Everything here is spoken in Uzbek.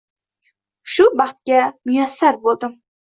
Shu baxtiga muyassar bo’ldim.